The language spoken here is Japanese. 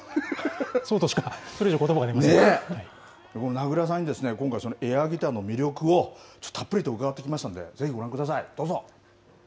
そうとしか、この名倉さんに今回、そのエアギターの魅力を、ちょっとたっぷりと伺ってきましたので、ぜひご覧ください、どうぞ。